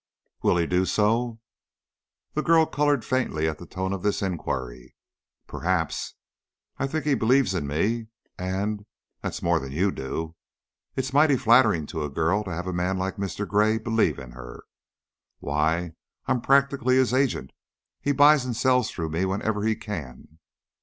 "Will he do so?" The girl colored faintly at the tone of this inquiry. "Perhaps. I think he believes in me, and that's more than you do. It's mighty flattering to a girl to have a man like Mr. Gray believe in her. Why, I am practically his agent! He buys and sells through me whenever he can."